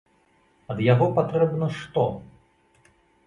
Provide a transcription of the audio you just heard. Ад яго патрэбна што?